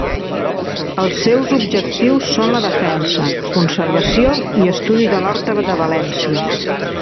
Els seus objectius són la defensa, conservació i estudi de l'horta de València.